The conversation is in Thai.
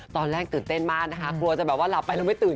ตอนแรกตื่นเต้นมากนะคะกลัวจะแบบว่าหลับไปแล้วไม่ตื่น